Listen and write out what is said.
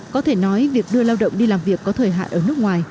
có thể nói việc đưa lao động đi làm việc có thời hạn ở nước ngoài